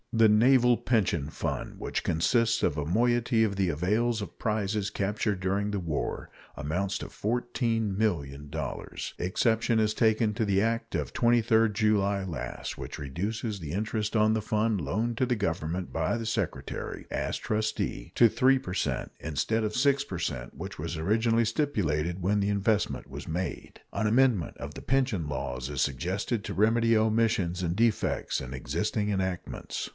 The naval pension fund, which consists of a moiety of the avails of prizes captured during the war, amounts to $14,000,000. Exception is taken to the act of 23d July last, which reduces the interest on the fund loaned to the Government by the Secretary, as trustee, to 3 per cent instead of 6 per cent, which was originally stipulated when the investment was made. An amendment of the pension laws is suggested to remedy omissions and defects in existing enactments.